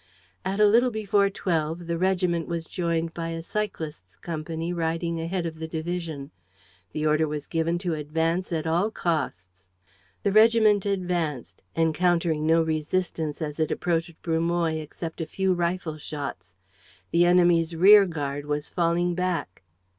At a little before twelve, the regiment was joined by a cyclists company riding ahead of the division. The order was given to advance at all costs. The regiment advanced, encountering no resistance, as it approached Brumoy, except a few rifle shots. The enemy's rearguard was falling back.